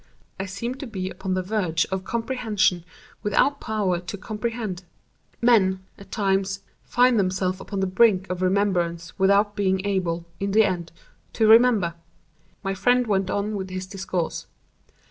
I seemed to be upon the verge of comprehension without power to comprehend—as men, at times, find themselves upon the brink of remembrance without being able, in the end, to remember. My friend went on with his discourse.